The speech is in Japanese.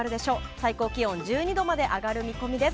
最高気温１２度まで上がる見込みです。